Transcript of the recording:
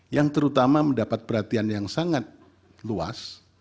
yang terutama mendapat perhatian yang sangat luas